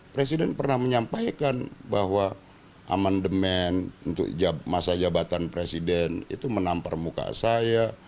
presiden pernah menyampaikan bahwa amandemen untuk masa jabatan presiden itu menampar muka saya